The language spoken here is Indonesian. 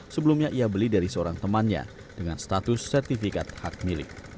sebelumnya ia beli dari seorang temannya dengan status sertifikat hak milik